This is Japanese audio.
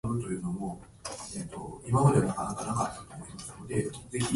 気にしたふりして逃げ出した